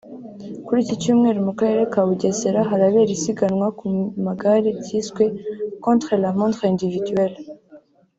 Kuri iki cyumweru mu karere ka Bugesera harabera isiganwa ku magare ryiswe « Contre la montre individuel »